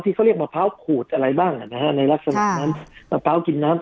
ที่เขาเรียกมะพร้าวขูดอะไรบ้างอ่ะนะฮะในลักษณะนั้นมะพร้าวกินน้ำ